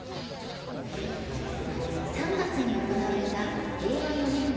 ３月に行われた令和４年度合同表彰式。